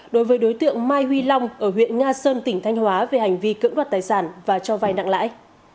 đối với đối tượng mai huy long ở huyện nga sơn tỉnh thanh hóa về hành vi cưỡng đoạt tài sản và cho vay nặng lãi